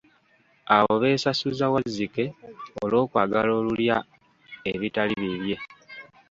Awo beesasuza Wazzike olw’okwagala olulya ebitali bibye.